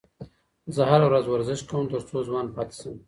زه هره ورځ ورزش کوم تر څو ځوان پاتې شم.